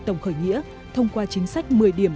tổng khởi nghĩa thông qua chính sách một mươi điểm